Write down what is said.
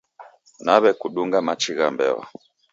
Naw'ekudunga machi gha mbeo.